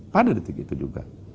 pada detik itu juga